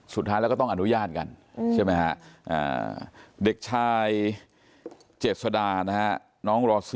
สุดท้ายแล้วก็ต้องอนุญาตกัน